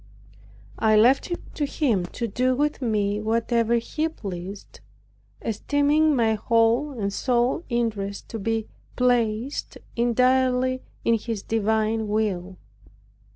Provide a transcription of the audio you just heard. I left it to Him to do with me whatever He pleased, esteeming my whole and sole interest to be placed entirely in His divine will.